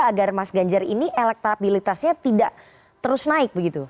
agar mas ganjar ini elektabilitasnya tidak terus naik begitu